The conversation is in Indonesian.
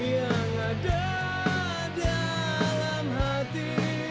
yang ada dalam hati